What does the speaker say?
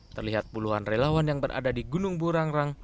terlihat puluhan relawan yang berada di gunung burang rang